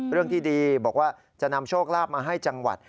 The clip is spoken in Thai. เรื่องที่ดีบอกว่าจะนำโชคลาภมาให้จังหวัด